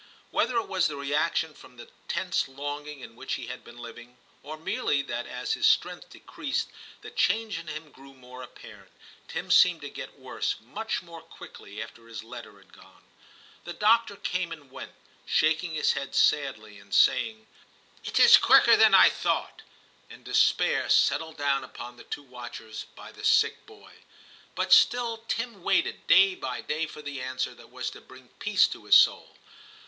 Whether it was the reaction from the tense longing in which he had been living, or merely that as his strength decreased the change in him grew more apparent, Tim seemed to get worse much more quickly after his letter had gone. The doctor came and went, shaking his head sadly, and saying, * It is quicker than X 3o6 TIM CHAP. I thought,' and despair settled down upon the two watchers by the sick boy. But still Tim waited day by day for the answer that was to bring peace to his soul.